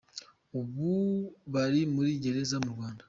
Ubu bari muri gereza mu Rwanda.